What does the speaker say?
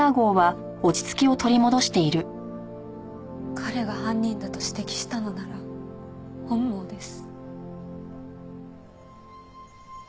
彼が犯人だと指摘したのなら本望です。